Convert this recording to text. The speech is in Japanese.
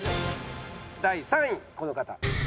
第３位この方。